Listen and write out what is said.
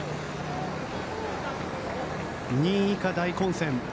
２位以下、大混戦。